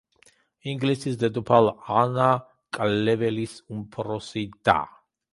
ინგლისის დედოფალ ანა კლეველის უფროსი და.